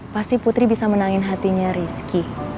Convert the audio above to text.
pasti putri bisa menangin hatinya rizky